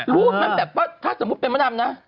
รูปมันแบบว่าถ้าสมมุติเป็นมะดำนะ